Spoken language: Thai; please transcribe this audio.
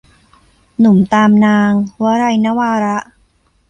หนุ่มตามนาง - วลัย นวาระ